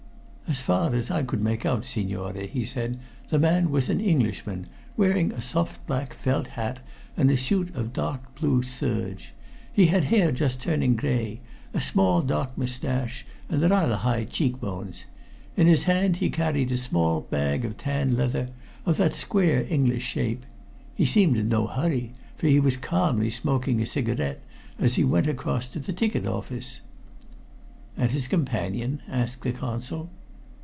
"As far as I could make out, signore," he said, "the man was an Englishman, wearing a soft black felt hat and a suit of dark blue serge. He had hair just turning gray, a small dark mustache and rather high cheek bones. In his hand he carried a small bag of tan leather of that square English shape. He seemed in no hurry, for he was calmly smoking a cigarette as he went across to the ticket office." "And his companion?" asked the Consul.